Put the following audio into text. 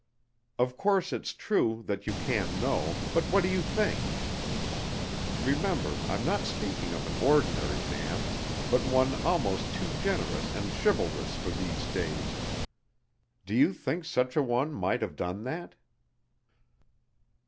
Of course it's true that you can't know, but what do you think? Remember, I'm not speaking of an ordinary man, but one almost too generous and chivalrous for these days. Do you think such an one might have done that?"